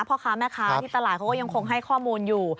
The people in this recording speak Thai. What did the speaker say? พ่อค้าแม่ค้าที่ตลาดเขาก็ยังคงให้ข้อมูลอยู่